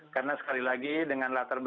karena sekali lagi dengan latar belakang